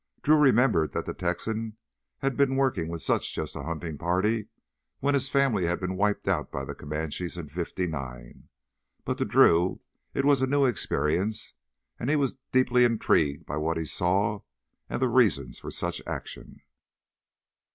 Drew remembered that the Texan had been working with just such a hunting party when his family had been wiped out by the Comanches in '59. But to Drew it was a new experience and he was deeply intrigued by what he saw and the reasons for such action.